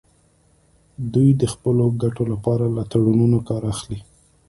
دوی د خپلو ګټو لپاره له تړونونو کار اخلي